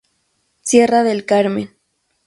Sierra del Carmen